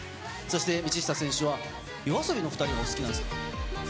道下選手はＹＯＡＳＯＢＩのお２人がお好きなんですか？